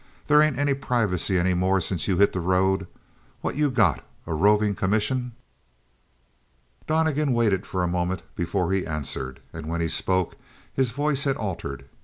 There ain't any privacy any more since you hit the road. What you got? A roving commission?" Donnegan waited for a moment before he answered. And when he spoke his voice had altered.